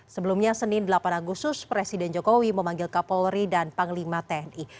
sebelumnya senin delapan agustus presiden jokowi memanggil kapolri dan panglima tni